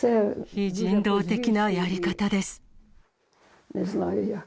非人道的なやり方です。